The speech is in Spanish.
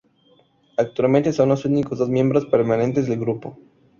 Actualmente son los únicos dos miembros permanentes del grupo.